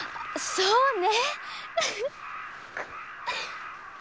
そうね。